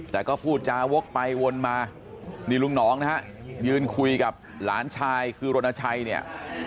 แต่ก็พูดจาวกไปวนมานี่ลุงหนองนะฮะยืนคุยกับหลานชายคือรณชัยเนี่ย